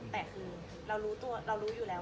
แต่คือเรารู้อยู่แล้ว